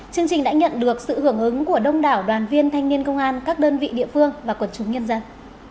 chương trình đã nhận được sự hưởng ứng của đông đảo đoàn viên thanh niên công an các đơn vị địa phương và quần chúng nhân dân